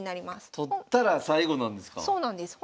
取ったら最後なんですか？